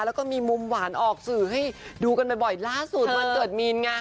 แล้วก็มีมุมหวานออกสื่อให้ดูกันบ่อยล่าสุดวันเกิดมีนไง